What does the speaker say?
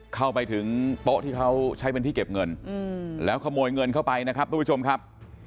เข้าไปถึงโต๊ะที่เขาใช้เป็นที่เก็บเงินแล้วขโมยเงินเข้าไปนะครับทุกผู้ชมครับ